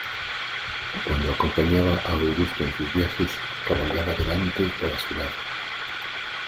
Cuando acompañaba a Augusto en sus viajes, cabalgaba delante o a su lado.